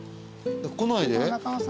来ないで。